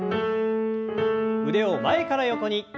腕を前から横に。